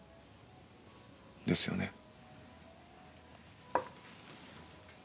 ですよね？